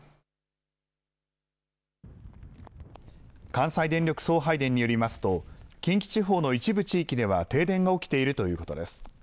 関西電力送配電によりますと近畿地方の一部地域では停電が起きているということです。